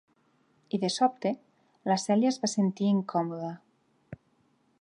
I de sobte, la Cèlia es va sentir incòmoda.